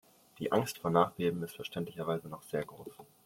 Die Angst vor Nachbeben ist verständlicherweise noch sehr groß.